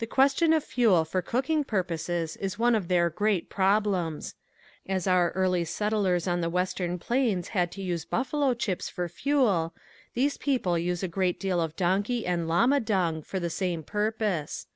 The question of fuel for cooking purposes is one of their great problems. As our early settlers on the western plains had to use buffalo chips for fuel, these people use a great deal of donkey and llama dung for the same purpose.